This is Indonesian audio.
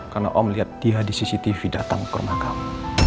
karena om lihat dia di cctv datang ke rumah kamu